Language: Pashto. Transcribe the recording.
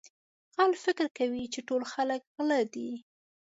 غل فکر کوي چې ټول خلک غله دي.